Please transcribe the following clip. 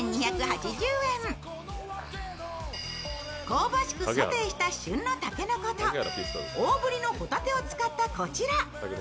香ばしくソテーした旬のたけのこと大ぶりの帆立てを使ったこちら。